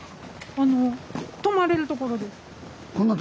あの泊まれるところです。